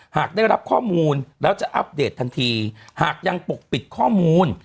หากได้รับข้อมูลแล้วจะอัปเดตทันทีหากยังปกปิดข้อมูล